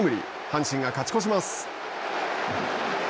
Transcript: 阪神が勝ち越します。